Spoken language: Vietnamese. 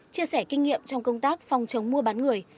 chia sẻ kinh nghiệm trong công tác phòng chống mua bán người